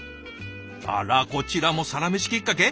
あらこちらも「サラメシ」きっかけ？